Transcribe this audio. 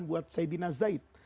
buat sayyidina zaid